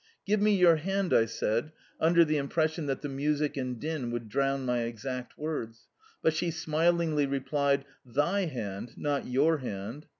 "Give me your hand," I said, under the impression that the music and din would drown my exact words, but she smilingly replied, "THY hand, not YOUR hand."